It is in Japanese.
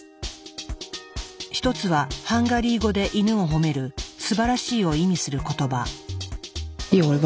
一つはハンガリー語でイヌを褒める「すばらしい」を意味する言葉。